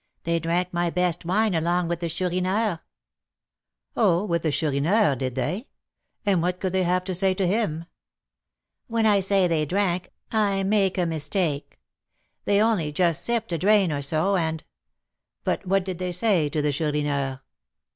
They drank my best wine along with the Chourineur." "Oh, with the Chourineur, did they? And what could they have to say to him?" "When I say they drank, I make a mistake; they only just sipped a drain or so, and " "But what did they say to the Chourineur?"